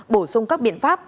bổ sung các biện pháp